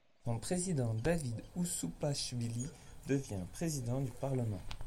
Son président David Oussoupachvili devient président du Parlement.